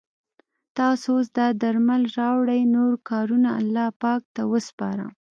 تاسو اوس دا درمل راوړئ نور کارونه پاک الله ته وسپاره.